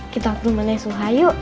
kita ke rumah nek suha yuk